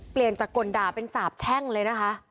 เปลี่ยนจากกลด่าเป็นสาบแช่งเลยนะคะ